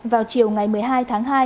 vào chiều ngày một mươi hai tháng hai